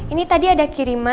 ini tadi ada kiriman